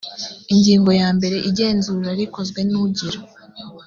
ingingo yambere igenzura rikozwe n ugira